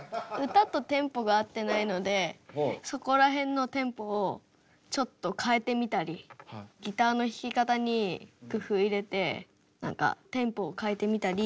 歌とテンポがあってないのでそこら辺のテンポをちょっと変えてみたりギターの弾き方に工夫入れて何かテンポを変えてみたり。